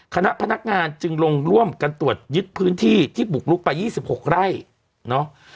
คณะพนักงานจึงลงร่วมกันตรวจยึดพื้นที่ที่บุกลุกไป๒๖ไร่เนาะ